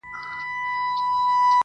د زړه له درده شاعري کومه ښه کوومه,